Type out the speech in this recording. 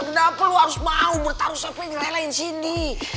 kenapa lo harus mau bertarung sama yang ngelahin cindy